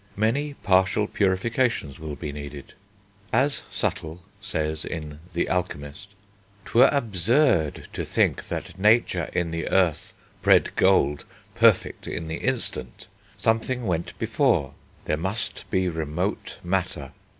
Many partial purifications will be needed. As Subtle says in The Alchemist 'twere absurd To think that nature in the earth bred gold Perfect in the instant; something went before, There must be remote matter....